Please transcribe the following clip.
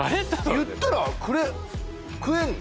言ったら食えんの？